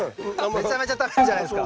めちゃめちゃ食べるじゃないですか。